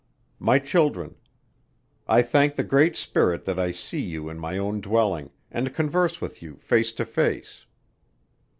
"My Children. I thank the Great Spirit that I see you in my own dwelling, and converse with you face to face.